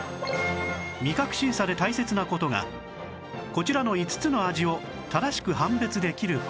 味覚審査で大切な事がこちらの５つの味を正しく判別できる事